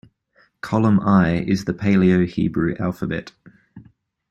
Column I is the Paleo-Hebrew alphabet.